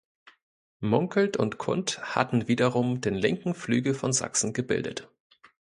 Munkelt und Kund hatten wiederum den linken Flügel von Sachsen gebildet.